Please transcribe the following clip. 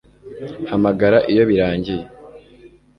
Hamagara iyo birangiye